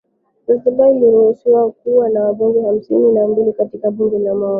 Zanzibar iliruhusiwa kuwa na Wabunge hamsini na mbili katika Bunge la Muungano